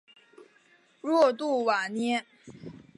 若杜瓦涅。